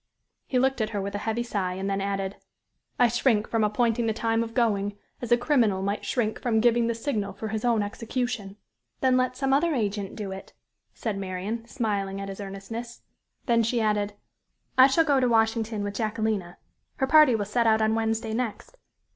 He looked at her with a heavy sigh, and then added: "I shrink from appointing the time of going, as a criminal might shrink from giving the signal for his own execution." "Then let some other agent do it," said Marian, smiling at his earnestness. Then she added "I shall go to Washington with Jacquelina. Her party will set out on Wednesday next.